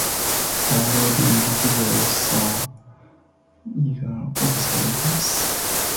Paranoid individuals are eager observers.